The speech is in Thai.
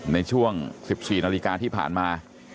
ในช่วง๑๔นาฬิกาที่ผ่านมา